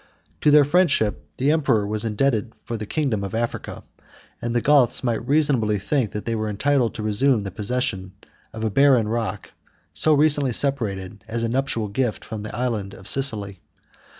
To their friendship the emperor was indebted for the kingdom of Africa, and the Goths might reasonably think, that they were entitled to resume the possession of a barren rock, so recently separated as a nuptial gift from the island of Sicily.